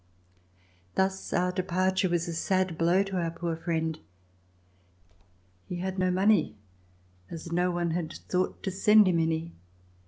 Thus our departure was a sad blow to our poor friend. He had no money, as no one had thought to send him any.